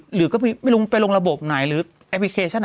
หรือก็ไม่รู้ไปลงระบบไหน